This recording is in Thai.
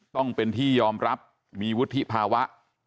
ต้องเป็นที่ยอมรับมีวุฒิภาวะ